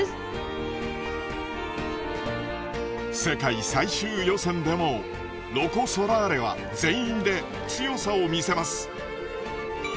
世界最終予選でもロコ・ソラーレは全員で強さを見せます。